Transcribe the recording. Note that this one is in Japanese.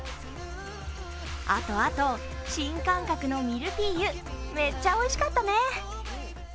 あとあと、新感覚のミルフィーユ、めっちゃおいしかったね。